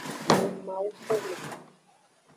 Le mawu xome.